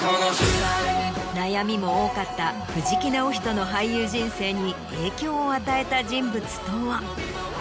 悩みも多かった藤木直人の俳優人生に影響を与えた人物とは？